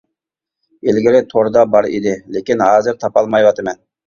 ئىلگىرى توردا بار ئىدى، لېكىن ھازىر تاپالمايۋاتىمەن.